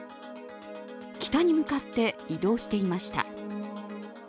北に向かって移動していました。